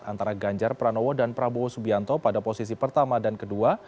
antara ganjar pranowo dan prabowo subianto pada posisi pertama dan kedua